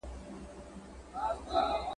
پرواز په پردي وزر `